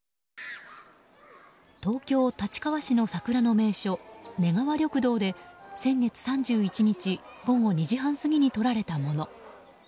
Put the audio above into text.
東京・立川市の桜の名所根川緑道で先月３１日午後２時半過ぎに撮られたもの。